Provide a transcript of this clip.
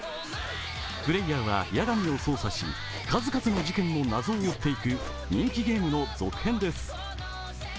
プレイヤーは八神を操作し、数々の事件の謎を追っていく人気ゲームの続編です。